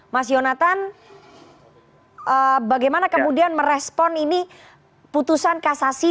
mas yonatan bagaimana kemudian merespon ini putusan kasasi